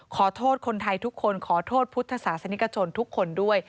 ขอโทษคนไทยทุกคนขอโทษพุทธศาสนิกชนทุกคนด้วย